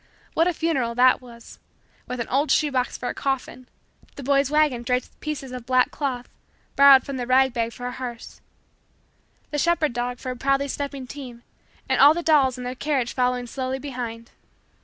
What a funeral that was with an old shoe box for a coffin, the boy's wagon draped with pieces of black cloth borrowed from the rag bag for a hearse, the shepherd dog for a proudly stepping team, and all the dolls in their carriage following slowly behind!